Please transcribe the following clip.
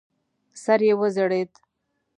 سر یې وځړېد.